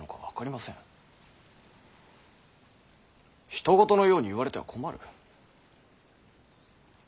ひと事のように言われては困る。